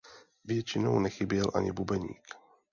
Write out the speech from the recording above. Většinou nechyběl ani bubeník.